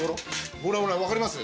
ほらほらわかります？